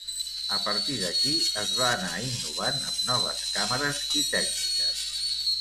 A partir d’aquí es va anar innovant amb noves càmeres i tècniques.